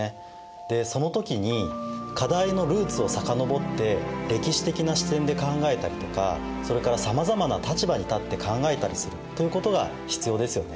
でその時に課題のルーツを遡って歴史的な視点で考えたりとかそれからさまざまな立場に立って考えたりするということが必要ですよね。